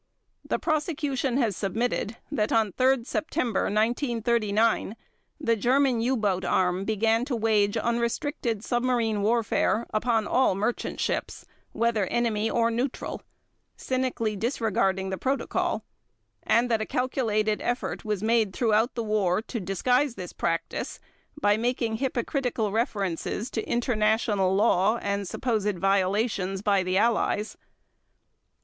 The Prosecution has submitted that on 3 September 1939 the German U boat arm began to wage unrestricted submarine warfare upon all merchant ships, whether enemy or neutral, cynically disregarding the Protocol; and that a calculated effort was made throughout the war to disguise this practice by making hypocritical references to international law and supposed violations by the Allies.